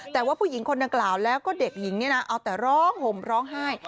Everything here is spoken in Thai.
แต่ว่าผู้หญิงคนดังกล่าวแล้วก็เด็กหญิงเนี่ยนะเอาแต่ร้องห่มร้องไห้